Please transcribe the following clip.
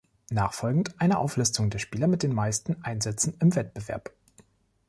Nachfolgend eine Auflistung der Spieler mit den meisten Einsätzen im Wettbewerb.